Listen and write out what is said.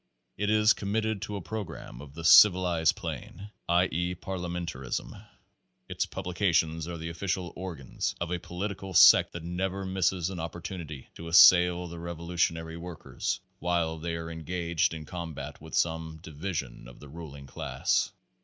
It is commit ted to a program of the "civilized plane," i. e., parlia mentarism. Its publications are the official organs of a political sect that never misses an opportunity to assail the revolutionary workers while they are engaged in combat with some division of the ruling class.